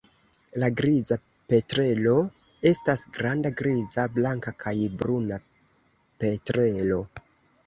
La Griza petrelo estas granda griza, blanka kaj bruna petrelo.